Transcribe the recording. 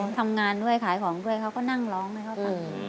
ทำงานด้วยขายของด้วยเขาก็นั่งร้องให้เขาฟัง